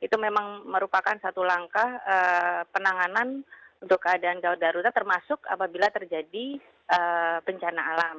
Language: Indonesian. itu memang merupakan satu langkah penanganan untuk keadaan darurat termasuk apabila terjadi bencana alam